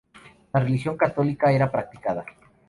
La religión católica era practicada.